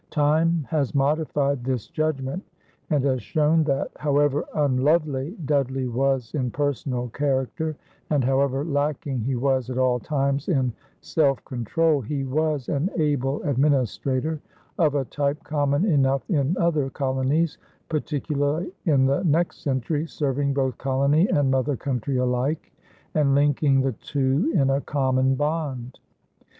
Time has modified this judgment and has shown that, however unlovely Dudley was in personal character and however lacking he was at all times in self control, he was an able administrator, of a type common enough in other colonies, particularly in the next century, serving both colony and mother country alike and linking the two in a common bond.